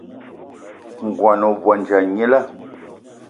Ngón ohandja gnila